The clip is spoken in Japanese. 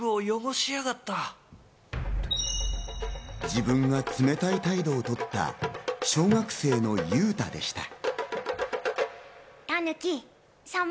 自分が冷たい態度をとった小学生のユウタでした。